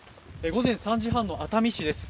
午前３時半の熱海市です。